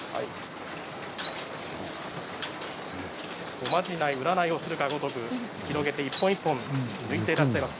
おまじない、占いをするかのごとく、広げて一本一本抜いていらっしゃいます。